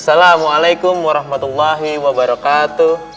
assalamualaikum warahmatullahi wabarakatuh